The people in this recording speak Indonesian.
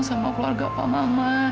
sama keluarga pak maman